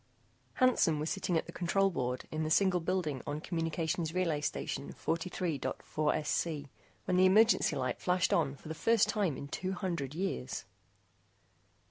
] Hansen was sitting at the control board in the single building on Communications Relay Station 43.4SC, when the emergency light flashed on for the first time in two hundred years.